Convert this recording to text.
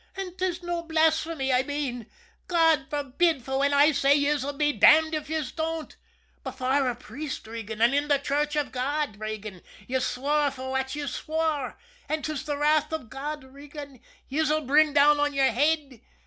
"An' 'tis no blasphymay I mean, God forbid, fwhen I say yez'll be damned if yez don't. Before a priest, Regan, an' in the church av God, Regan, yez swore fwhat yez swore an' 'tis the wrath av God, Regan, yez'll bring down on your head.